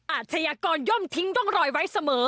อาชญากรย่อมทิ้งร่องรอยไว้เสมอ